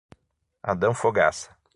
Adão Fogassa